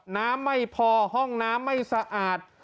น้ำไม่พอห้องน้ำไม่สะอาด